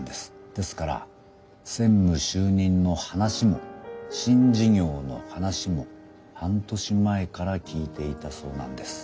ですから専務就任の話も新事業の話も半年前から聞いていたそうなんです。